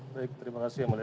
baik terima kasih yang mulia